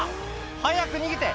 早く逃げて！